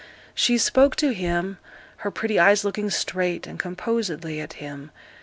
She spoke to him, her pretty eyes looking straight and composedly at him.